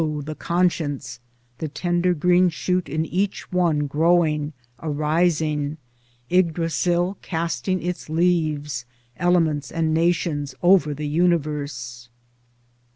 the Conscience, the tender green shoot in each one, growing, arising, Ygdrasil casting its leaves, elements and nations, over the universe